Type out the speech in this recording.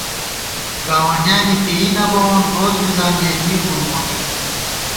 گاونڈیانے پېنئ نہ بَوون روڅ مِزان یَہ ہِیر بُوئی مونی